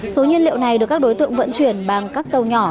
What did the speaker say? số nhiên liệu này được các đối tượng vận chuyển bằng các tàu nhỏ